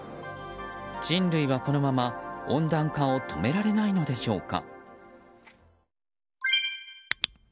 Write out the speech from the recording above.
人類は、このまま温暖化を止められないのでしょうか。